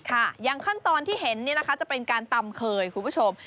ค่ะยังขั้นตอนที่เห็นจะเป็นการตำเคยคุณผู้ชม